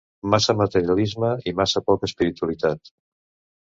Massa materialisme i massa poca espiritualitat.